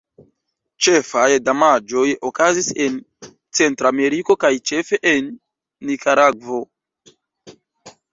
Ĉefaj damaĝoj okazis en Centrameriko kaj ĉefe en Nikaragvo.